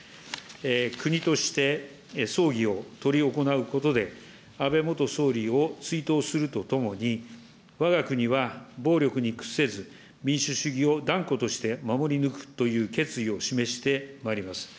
国として葬儀を執り行うことで、安倍元総理を追悼するとともに、わが国は暴力に屈せず、民主主義を断固として守り抜くという決意を示してまいります。